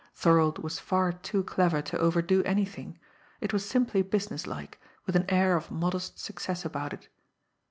Thorold was far too clever to overdo anything it was simply businesslike, with an air of modest success about it.